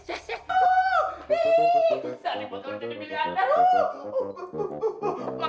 saya bakalan jadi miliarder